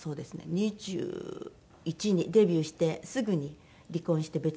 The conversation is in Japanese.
２１にデビューしてすぐに離婚して別々に暮らしてますし。